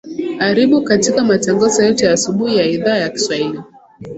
aribu katika matangazo yetu ya asubuhi ya idhaa ya kiswahili